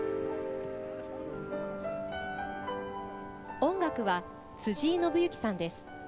音楽は辻井伸行さんです。